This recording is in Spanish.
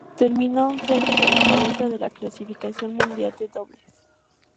Terminó once años a la cabeza de la clasificación mundial de dobles.